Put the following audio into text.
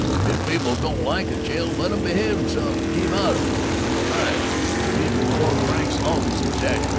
If people don't like a jail, let 'em behave 'emselves and keep out of it. Besides, these reform cranks always exaggerate."